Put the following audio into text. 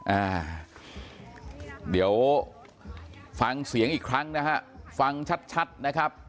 อ่าเดี๋ยวฟังเสียงอีกครั้งนะฮะฟังชัดชัดนะครับ